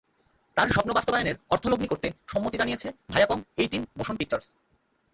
তার স্বপ্ন বাস্তবায়নে অর্থলগ্নি করতে সম্মতি জানিয়েছে ভায়াকম এইটিন মোশন পিকচার্স।